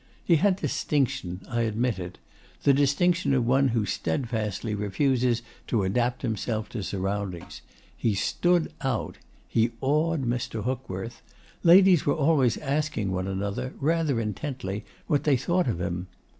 He had distinction, I admit it; the distinction of one who steadfastly refuses to adapt himself to surroundings. He stood out. He awed Mr. Hookworth. Ladies were always asking one another, rather intently, what they thought of him.